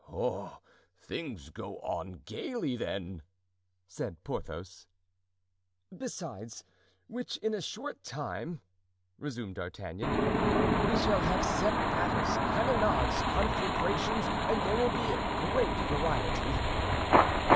"Ah, things go on gaily, then," said Porthos. "Besides which, in a short time," resumed D'Artagnan, "We shall have set battles, cannonades, conflagrations and there will be great variety."